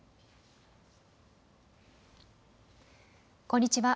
こんにちは。